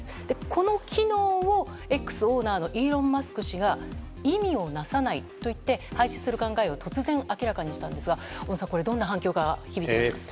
この機能を「Ｘ」オーナーのイーロン・マスク氏が意味をなさないといって廃止する考えを突然明らかにしたんですが小野さんどんな反響が響いていますか？